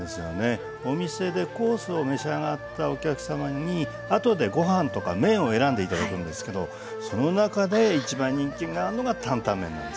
お店でコースを召し上がったお客様に後でご飯とか麺を選んで頂くんですけどその中で一番人気があるのが担々麺なんですよね。